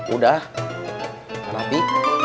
udah kan api